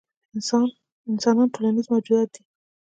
انسانان ټولنیز موجودات دي.